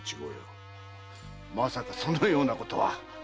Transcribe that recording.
まさかそのようなことは。